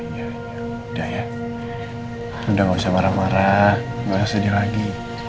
udah ya udah gak usah marah marah nggak usah sedih lagi